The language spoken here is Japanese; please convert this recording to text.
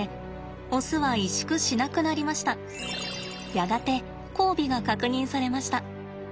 やがて交尾が確認されました。